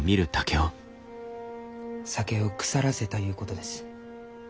酒を腐らせたゆうことです。